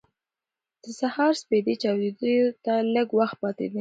د سهار سپېدې چاودېدو ته لږ وخت پاتې دی.